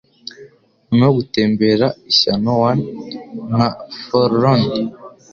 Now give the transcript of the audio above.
Noneho gutembera, ishyano wan, nka forlorn,